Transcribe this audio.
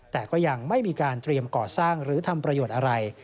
แต่ก็ยังไม่มีการเตรียมก่อสร้างหรือทำประโยชน์อะไร